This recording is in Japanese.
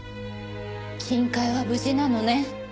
金塊は無事なのね？